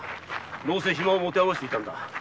どうせ暇を持て余していたんだ。